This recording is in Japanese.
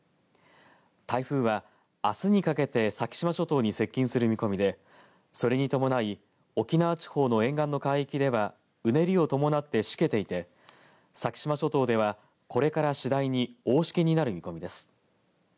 台風はあすにかけて先島諸島に接近する見込みでそれに伴い沖縄地方の沿岸の海域ではうねりを伴ってしけていて先島諸島ではこれから次第に大しけになる見込みです。